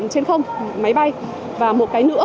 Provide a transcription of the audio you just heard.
trên không máy bay và một cái nữa